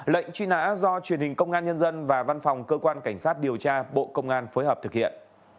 lệnh truy nã do truyền hình công an nhân dân và văn phòng cơ quan cảnh sát điều tra bộ công an phối hợp thực hiện